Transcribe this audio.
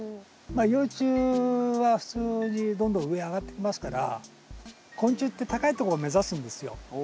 まあ幼虫は普通にどんどん上へ上がってきますから昆虫って高いとこを目指すんですよ。